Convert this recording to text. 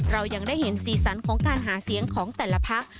เรายังได้เห็นสีสันของการหาเสียงของแต่ละพัก